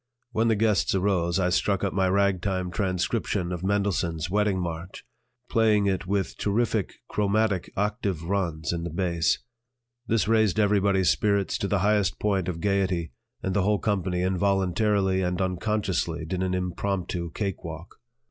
When the guests arose, I struck up my ragtime transcription of Mendelssohn's "Wedding March," playing it with terrific chromatic octave runs in the bass. This raised everybody's spirits to the highest point of gaiety, and the whole company involuntarily and unconsciously did an impromptu cake walk.